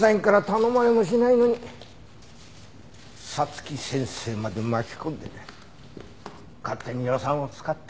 早月先生まで巻き込んで勝手に予算を使って。